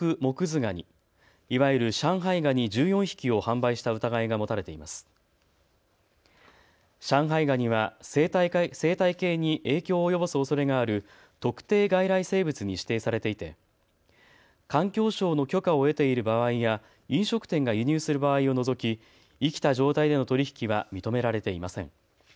ガニは生態系に影響を及ぼすおそれがある特定外来生物に指定されていて環境省の許可を得ている場合や飲食店が輸入する場合を除き生きた状態での取り引きは認められていません。